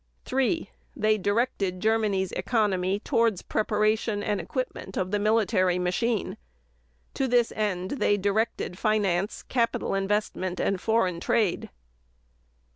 3. They directed Germany's economy towards preparation and equipment of the military machine. To this end they directed finance, capital investment, and foreign trade.